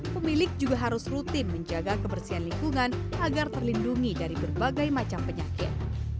pemilik juga harus rutin menjaga kebersihan lingkungan agar terlindungi dari berbagai macam penyakit